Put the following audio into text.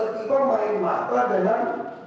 tidak bisa jualan